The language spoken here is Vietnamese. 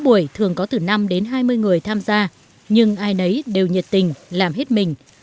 buổi thường có từ năm đến hai mươi người tham gia nhưng ai nấy đều nhiệt tình làm hết mình